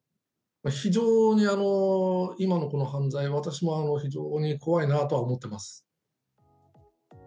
非常に、今の犯罪、私も非常に怖いなとは思っています。